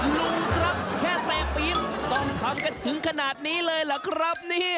ลุงครับแค่เตะปี๊บต้องทำกันถึงขนาดนี้เลยเหรอครับนี่